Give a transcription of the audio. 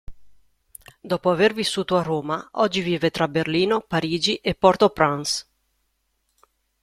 Dopo aver vissuto a Roma, oggi vive tra Berlino, Parigi e Port-au-Prince.